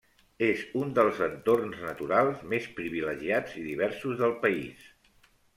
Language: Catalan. És un dels entorns naturals més privilegiats i diversos del país.